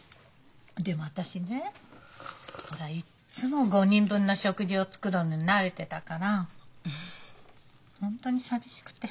でも私ねほらいっつも５人分の食事を作るのに慣れてたから本当に寂しくて。